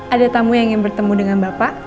ada tamu yang ingin bertemu dengan bapak